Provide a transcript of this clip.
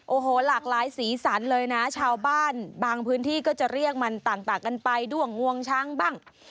โอ้โหหลากหลายสีสันเลยนะชาวบ้านบางพื้นที่ก็จะเรียกมันต่างกันไปด้วงงวงช้างบ้าง